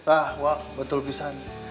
ah wak betul pisang